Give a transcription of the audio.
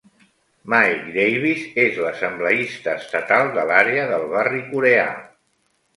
Mike Davis és l'assembleista estatal de l'àrea del barri coreà.